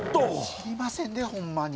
知りませんでホンマに。